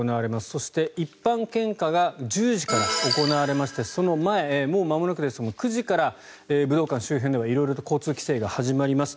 そして、一般献花が１０時から行われましてその前、もうまもなくですが９時から武道館周辺では色々と交通規制が始まります。